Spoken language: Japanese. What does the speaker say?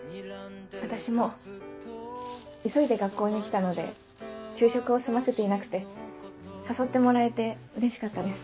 私も急いで学校に来たので昼食を済ませていなくて誘ってもらえてうれしかったです。